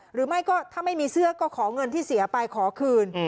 หรือไม่ก็ถ้าไม่มีเสื้อก็ขอเงินที่เสียไปขอคืน